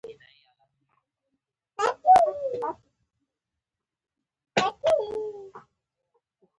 ددوي ور نيکۀ، زرين خان ،